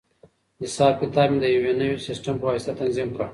حساب کتاب مې د یوې نوې سیسټم په واسطه تنظیم کړ.